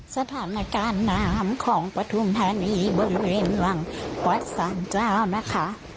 สถานการณ์น้ำของปฐุมธานีบริเวณหลังวัดสารเจ้านะคะ